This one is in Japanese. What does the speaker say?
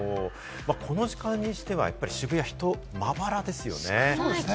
この時間にしては渋谷、人もまばらですよね。